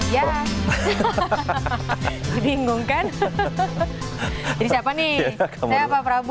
ya dibingung kan jadi siapa nih saya apa prabu